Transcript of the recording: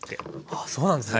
あそうなんですか。